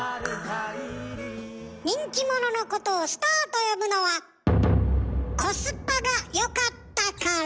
人気者のことをスターと呼ぶのはコスパがよかったから。